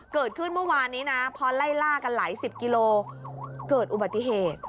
เกิดขึ้นเมื่อวานนี้นะพอไล่ล่ากันหลายสิบกิโลเกิดอุบัติเหตุ